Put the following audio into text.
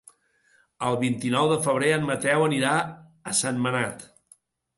El vint-i-nou de febrer en Mateu anirà a Sentmenat.